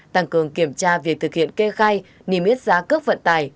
tăng cường kiểm tra việc thực hiện kê khai niêm yết giá cước vận tải